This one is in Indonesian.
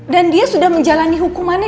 dan dia sudah menjalani hukumannya